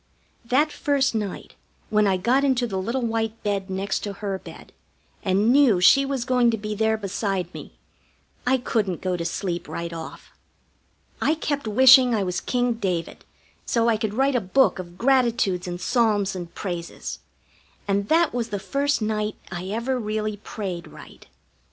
That first night when I got into the little white bed next to her bed, and knew she was going to be there beside me, I couldn't go to sleep right off. I kept wishing I was King David, so I could write a book of gratitudes and psalms and praises, and that was the first night I ever really prayed right.